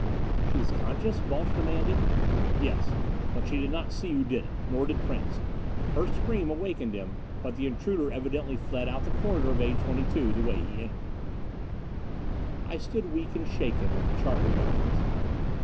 "She is conscious?" Balch demanded. "Yes. But she did not see who did it. Nor did Prince. Her scream awakened him, but the intruder evidently fled out the corridor door of A 22, the way he entered." I stood weak and shaken at the chart room entrance.